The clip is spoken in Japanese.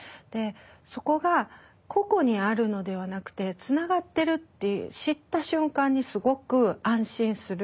そこが個々にあるのではなくてつながってるって知った瞬間にすごく安心する。